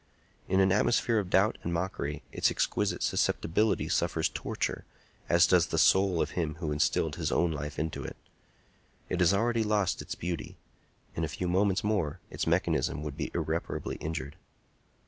In an atmosphere of doubt and mockery its exquisite susceptibility suffers torture, as does the soul of him who instilled his own life into it. It has already lost its beauty; in a few moments more its mechanism would be irreparably injured."